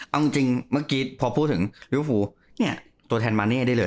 เอาจริงเมื่อกี้พอพูดถึงริวฟูเนี่ยตัวแทนมาเน่ได้เลย